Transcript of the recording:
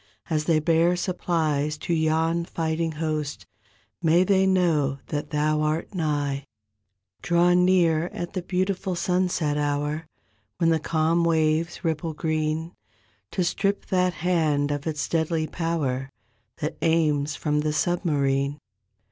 As they bear supplies to yon fighting host, May they know that Thou art nigh. "Draw near at the beautiful sunset hour When the calm waves ripple green. To strip that hand of its deadly power That aims from the submarine.